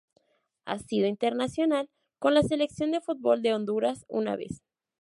Ha sido internacional con la Selección de fútbol de Honduras una vez.